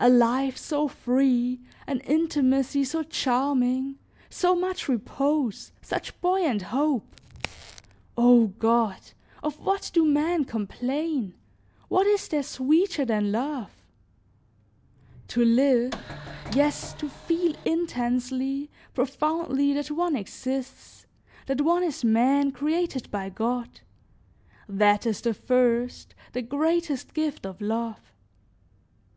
a life so free, an intimacy so charming, so much repose, such buoyant hope! O God! Of what do men complain? What is there sweeter than love? To live, yes, to feel intensely, profoundly, that one exists, that one is man, created by God, that is the first, the greatest gift of love.